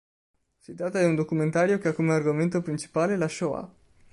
Si tratta di un documentario che ha come argomento principale la Shoah.